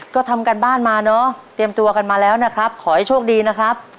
ก็ทำการบ้านมาเนอะเตรียมตัวกันมาแล้วนะครับขอให้โชคดีนะครับ